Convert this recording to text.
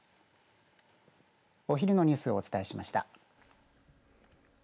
お昼のニュースをお伝えしました。